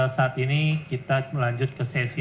saat ini kita melanjut ke sesi